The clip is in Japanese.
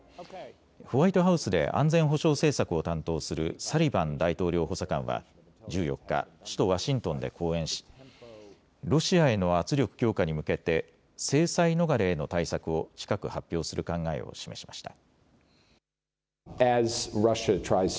ホワイトハウスで安全保障政策を担当するサリバン大統領補佐官は１４日、首都ワシントンで講演しロシアへの圧力強化に向けて制裁逃れへの対策を近く発表する考えを示しました。